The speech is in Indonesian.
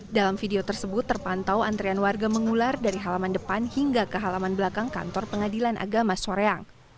dalam video tersebut terpantau antrean warga mengular dari halaman depan hingga ke halaman belakang kantor pengadilan agama soreang